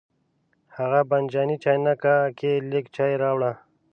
هغه بانجاني چاینکه کې لږ چای راوړه.